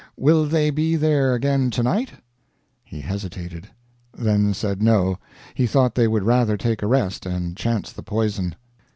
"Will they be there again to night?" He hesitated; then said no, he thought they would rather take a rest and chance the poison.